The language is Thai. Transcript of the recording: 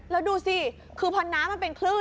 แล้วดูสิคือพอน้ำมันเป็นคลื่น